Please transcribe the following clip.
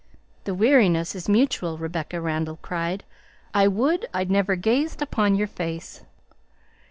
"The weariness is mutual," Rebecca Randall cried; "I would I'd never gazed upon your face!"